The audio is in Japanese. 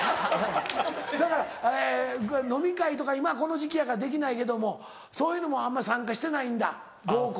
だから飲み会とか今この時期やからできないけどもそういうのもあんま参加してないんだ合コン。